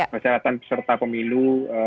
persyaratan peserta pemilu dua ribu sembilan belas